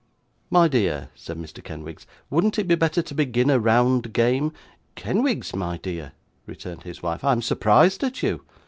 'My dear,' said Mr. Kenwigs, 'wouldn't it be better to begin a round game?' 'Kenwigs, my dear,' returned his wife, 'I am surprised at you.